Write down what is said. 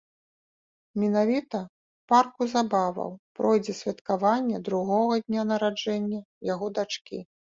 Менавіта ў парку забаваў пройдзе святкаванне другога дня нараджэння яго дачкі.